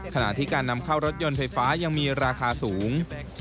ขณะที่การนำเข้ารถยนต์ไฟฟ้ายังมีราคาสูง